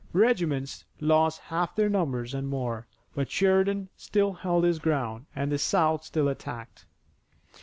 Regiments lost half their numbers and more, but Sheridan still held his ground and the South still attacked.